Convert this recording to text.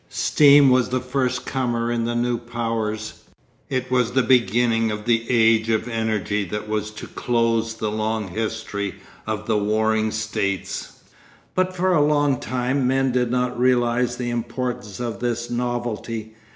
Steam was the first comer in the new powers, it was the beginning of the Age of Energy that was to close the long history of the Warring States. But for a long time men did not realise the importance of this novelty.